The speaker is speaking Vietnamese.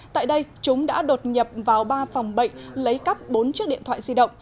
tại đây chúng đã đột nhập vào ba phòng bệnh lấy cắp bốn chiếc điện thoại di động